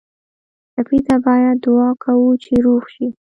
ټپي ته باید دعا کوو چې روغ شي.